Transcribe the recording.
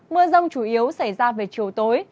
mưa rông chủ yếu xảy ra về chiều tối